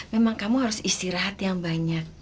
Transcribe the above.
memang kamu harus istirahat yang banyak